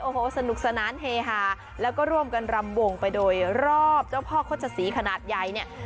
โอ้โหสนุกสนานเฮฮาแล้วก็ร่วมกันรำวงไปโดยรอบเจ้าพ่อโฆษศรีขนาดใหญ่เนี่ย